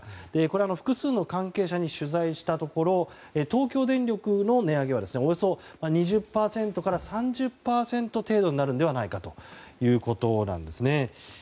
複数の関係者に取材したところ東京電力の値上げはおよそ２０％から３０％程度になるのではないかということなんですね。